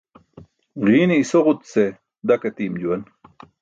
Ġiine isoġut ce dak atiim juwan.